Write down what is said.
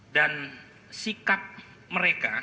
dan sikap mereka